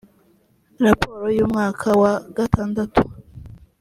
raporo y umwaka wa gatandatu